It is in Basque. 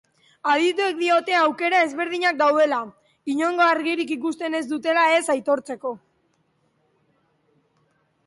Adituek diote aukera ezberdinak daudela, inongo argirik ikusten ez dutela ez aitortzeko.